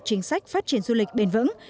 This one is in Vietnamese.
chính sách phát triển du lịch bền vững